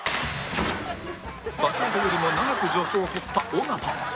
先ほどよりも長く助走を取った尾形